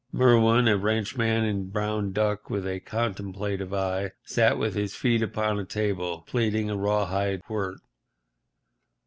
Merwin, a ranchman in brown duck, with a contemplative eye, sat with his feet upon a table, plaiting a rawhide quirt.